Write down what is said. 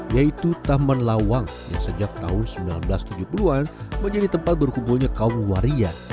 yaitu taman lawang yang sejak tahun seribu sembilan ratus tujuh puluh an menjadi tempat berkumpulnya kaum waria